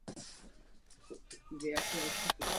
Vegetace zde má ale dekorativní charakter.